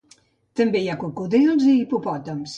També hi ha cocodrils i hipopòtams.